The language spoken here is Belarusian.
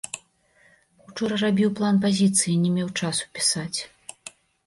Учора рабіў план пазіцыі, не меў часу пісаць.